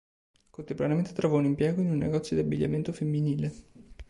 Contemporaneamente trovò un impiego in un negozio di abbigliamento femminile.